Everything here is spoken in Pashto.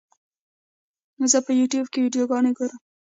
زه په یوټیوب کې ویډیوګانې ګورم.